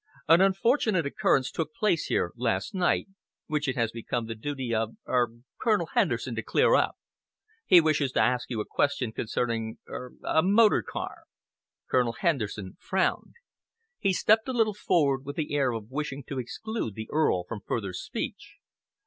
An unfortunate occurrence took place here last night, which it has become the duty of er Colonel Henderson to clear up. He wishes to ask you a question concerning er a motor car." Colonel Henderson frowned. He stepped a little forward with the air of wishing to exclude the Earl from further speech.